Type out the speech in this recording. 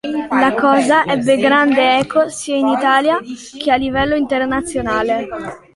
La cosa ebbe grande eco sia in Italia che a livello internazionale.